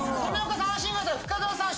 富岡さん